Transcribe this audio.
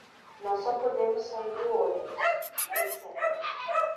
Nós só podemos sair do ônibus, etc.